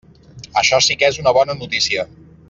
Això sí que és una bona notícia.